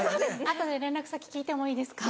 後で連絡先聞いてもいいですか。